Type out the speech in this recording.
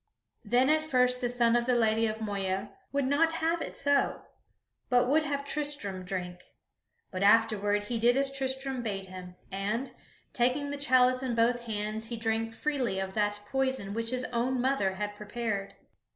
Then at first the son of the Lady Moeya would not have it so, but would have Tristram drink; but afterward he did as Tristram bade him, and, taking the chalice in both hands, he drank freely of that poison which his own mother had prepared.